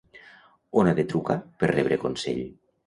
On ha de trucar per rebre consell?